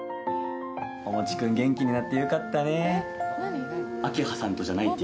おもち君、元気になってよかったね。